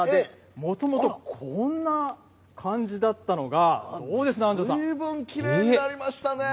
もともとこんな感じだったのが、ずいぶんきれいになりましたね。